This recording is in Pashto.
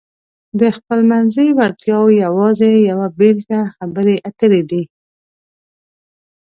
د خپلمنځي وړتیاو یوازې یوه بېلګه خبرې اترې دي.